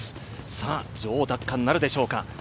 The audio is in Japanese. さあ女王奪還なるでしょうか。